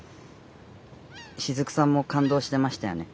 しずくさんもかんどうしてましたよね。